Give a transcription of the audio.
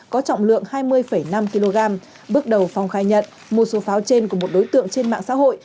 có trọng lượng hai mươi năm kg bước đầu phong khai nhận một số pháo trên của một đối tượng trên mạng xã hội